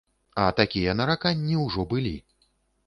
А такія нараканні ўжо былі.